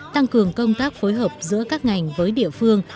tăng cường công tác phối hợp giữa các ngành với địa phương